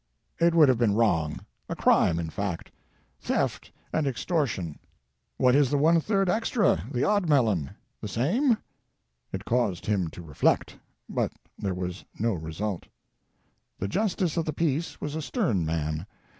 "It would have been wrong; a crime, in fact — Theft and Extortion." "What is the one third extra — the odd melon — the same?" It caused him to reflect. But there was no result. The justice of the peace was a stern man.